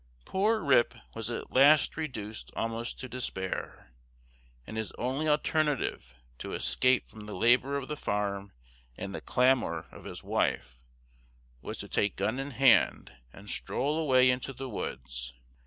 Poor Rip was at last reduced almost to despair; and his only alternative, to escape from the labor of the farm and the clamor of his wife, was to take gun in hand, and stroll away into the woods.